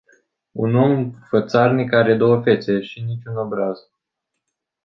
Un om fățarnic are două fețe și nici un obraz.